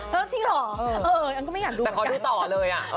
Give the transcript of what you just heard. จริงหรอเออแต่ขอดูต่อเลยอะ